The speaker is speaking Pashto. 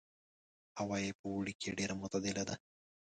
هوا یې په اوړي کې ډېره معتدله ده.